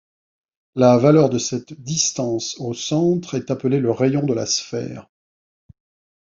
La valeur de cette distance au centre est appelée le rayon de la sphère.